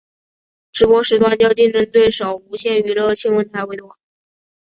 直播时段较竞争对手无线娱乐新闻台为多。